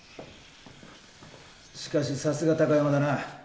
しかしさすが貴山だな。